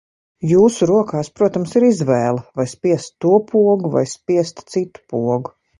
Jūsu rokās, protams, ir izvēle, vai spiest to pogu vai spiest citu pogu.